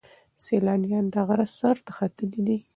سیلانیان د غره سر ته ختلي دي.